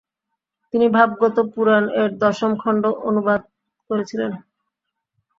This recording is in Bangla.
তিনি ভাগবত-পুরাণ এর দশম খণ্ড অনুবাদ করেছিলেন।